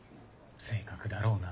性格だろうな。